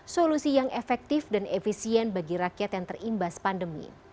solusi yang efektif dan efisien bagi rakyat yang terimbas pandemi